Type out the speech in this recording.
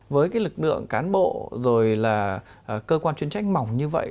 với cái lực lượng cán bộ rồi là cơ quan chuyên trách mỏng như vậy